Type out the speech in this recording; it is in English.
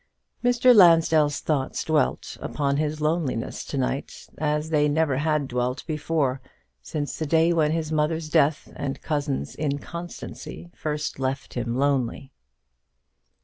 Mr. Lansdell's thoughts dwelt upon his loneliness to night, as they had never dwelt before, since the day when his mother's death and cousin's inconstancy first left him lonely.